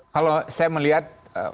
kalau saya melihat